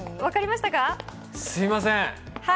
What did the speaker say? すみません。